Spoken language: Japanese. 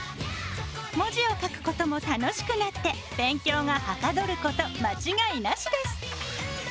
文字を書くことも楽しくなって勉強がはかどること間違いなしです。